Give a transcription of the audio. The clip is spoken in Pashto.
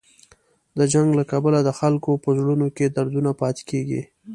د جنګ له کبله د خلکو په زړونو کې دردونه پاتې کېږي.